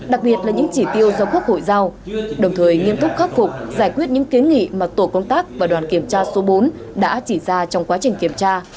đặc biệt là những chỉ tiêu do quốc hội giao đồng thời nghiêm túc khắc phục giải quyết những kiến nghị mà tổ công tác và đoàn kiểm tra số bốn đã chỉ ra trong quá trình kiểm tra